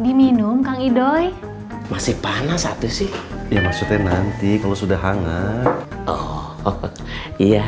diminum kang idoy masih panas satu sih ya maksudnya nanti kalau sudah hangat oh iya